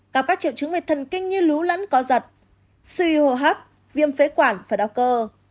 gặp các triều chứng về thần kinh như lú lẫn co giật suy hồ hấp viêm phế quản và đau cơ